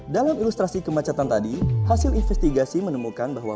dalam ilustrasi kemacetan tadi hasil investigasi menemukan bahwa